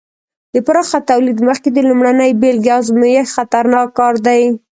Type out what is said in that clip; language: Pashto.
د پراخه تولید مخکې د لومړنۍ بېلګې ازمېښت خطرناک کار دی.